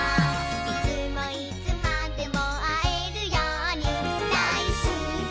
「いつもいつまでもあえるようにだいすきだからまたね」